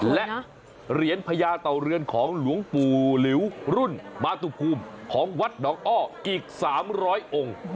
และเหรียญพญาเต่าเรือนของหลวงปู่หลิวรุ่นมาตุภูมิของวัดหนองอ้ออีก๓๐๐องค์